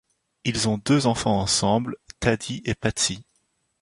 Ils ont deux enfants ensemble, Thady et Patsy.